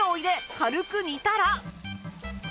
軽く煮たら